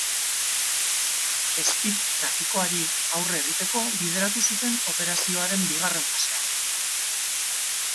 Speed trafikoari aurre egiteko bideratu zuten operazioaren bigarren fasea.